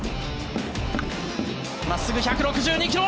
まっすぐ１６１キロ。